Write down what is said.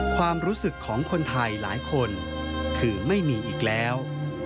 ความรู้สึกของคนไทยหลายคนคือไม่มีอีกแล้ว